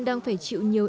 đang phải chịu nhiều